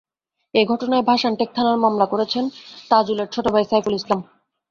এ ঘটনায় ভাষানটেক থানায় মামলা করেছেন তাজুলের ছোট ভাই সাইফুল ইসলাম।